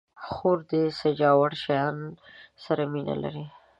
خور د سجاوړ شیانو سره مینه لري.